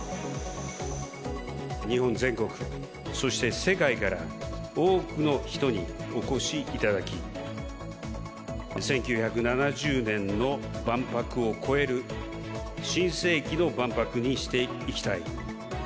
日本全国、そして世界から多くの人にお越しいただき、１９７０年の万博を超える、新世紀の万博にしていきたい。